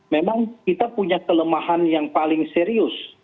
memang kita punya kelemahan yang paling serius